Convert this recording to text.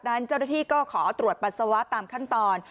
เจ้าหน้าที่ก็ขอตรวจปัสสาวะตามขั้นตอน